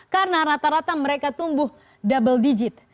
karena rata rata mereka tumbuh double digit